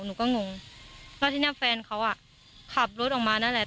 หนูก็งงแล้วทีนี้แฟนเขาอ่ะขับรถออกมานั่นแหละ